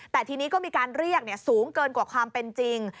แต่ทีนี้ก็มีการเรียกสูงเกินกว่าความเป็นจริง